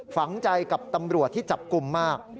ฝังใจกับตำรวจที่จับกลุ่มมาก